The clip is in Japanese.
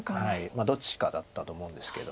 どっちかだったと思うんですけど。